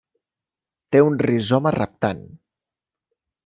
Té un rizoma reptant.